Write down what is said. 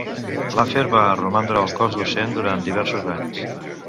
Laffer va romandre al cos docent durant diversos anys.